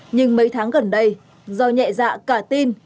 nhưng mấy tháng gần đây do nhẹ dạ cả tin